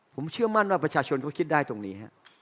ผมเชื่อมั่นว่าประชาชนเขาคิดได้ตรงนี้